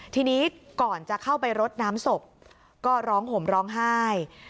ทีนี้ก่อนจะเข้าไปรดน้ำศพก็ร้องห่มร้องไห้